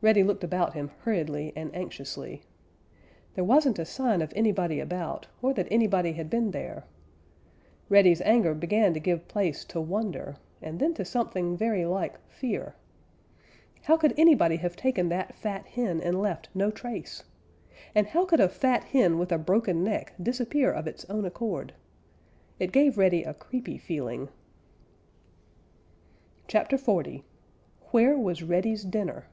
Reddy looked about him hurriedly and anxiously. There wasn't a sign of anybody about, or that anybody had been there. Reddy's anger began to give place to wonder and then to something very like fear. How could anybody have taken that fat hen and left no trace? And how could a fat hen with a broken neck disappear of its own accord? It gave Reddy a creepy feeling. CHAPTER XL WHERE WAS REDDY'S DINNER?